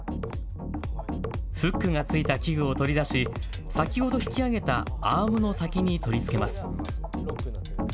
フックがついた器具を取り出し先ほど引き上げたアームの先に取り付けます。